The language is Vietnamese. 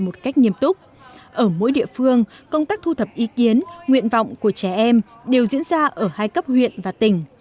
ở mỗi địa phương công tác thu thập ý kiến nguyện vọng của trẻ em đều diễn ra ở hai cấp huyện và tỉnh